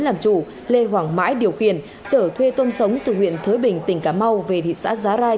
làm chủ lê hoàng mãi điều khiển trở thuê tôm sống từ huyện thới bình tỉnh cà mau về thị xã giá rai